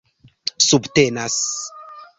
subtenas